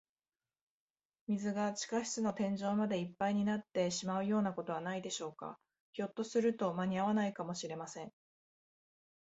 水が地下室の天井までいっぱいになってしまうようなことはないでしょうか。ひょっとすると、まにあわないかもしれません。